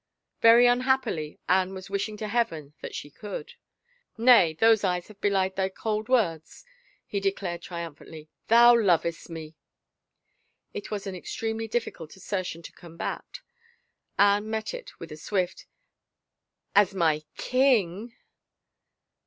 " Very unhappily, Anne was wishing to Heaven that she could, " Nay, those eyes have belied thy cold words," he de clared triumphantly. " Thou lovest me !" It was an extremely difficult assertion to combat. Anne met it with a swift, "As my king!"